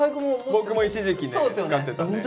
僕も一時期ね使ってたね。